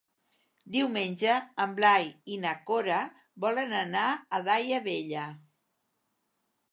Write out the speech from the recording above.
Diumenge en Blai i na Cora volen anar a Daia Vella.